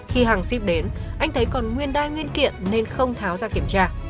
khi hàng ship đến anh thấy còn nguyên đai nguyên kiện nên không tháo ra kiểm tra